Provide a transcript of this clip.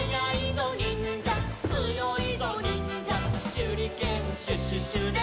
「しゅりけんシュシュシュで」